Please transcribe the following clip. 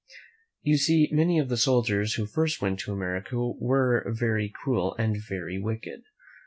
You see, many of the soldiers who first went to America were very cruel and very wicked.